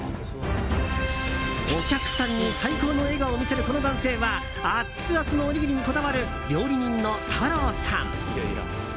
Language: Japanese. お客さんに最高の笑顔を見せるこの男性はアツアツのおにぎりにこだわる料理人のたろうさん。